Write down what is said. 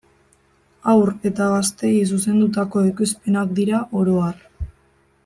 Haur eta gazteei zuzendutako ekoizpenak dira oro har.